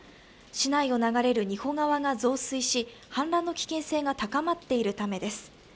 市内を流れる仁保川が増水し氾濫の危険性が高まっているためです。